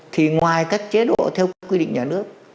thì ngoài các chế độ theo các quy định nhà nước